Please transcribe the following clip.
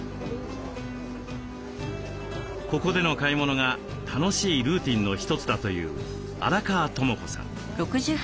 ここでの買い物が楽しいルーティンの一つだという荒川知子さん。